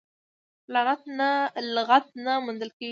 لغت نه موندل کېږي.